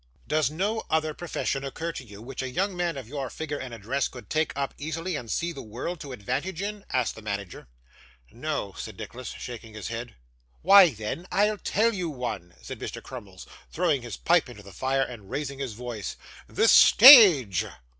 'Does no other profession occur to you, which a young man of your figure and address could take up easily, and see the world to advantage in?' asked the manager. 'No,' said Nicholas, shaking his head. 'Why, then, I'll tell you one,' said Mr. Crummles, throwing his pipe into the fire, and raising his voice. 'The stage.